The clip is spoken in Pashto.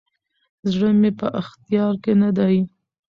زړه مي په اختیار کي نه دی،